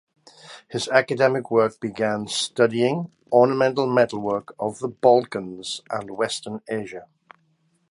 His academic work began studying ornamental metalwork of the Balkans and western Asia.